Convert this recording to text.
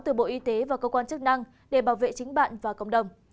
từ bộ y tế và cơ quan chức năng để bảo vệ chính bạn và cộng đồng